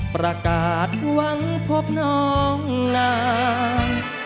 ประกาศหวังพบน้องนาง